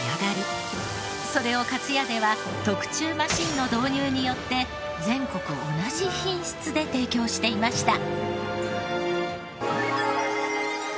それをかつやでは特注マシーンの導入によって全国同じ品質で提供していました。